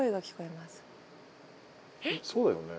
そうよね。